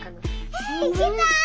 え行きたい！